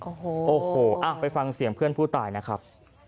โอ้โหโอ้โหไปฟังเสียงเพื่อนผู้ตายนะครับ